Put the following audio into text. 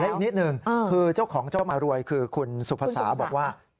อีกนิดหนึ่งคือเจ้าของเจ้ามารวยคือคุณสุภาษาบอกว่า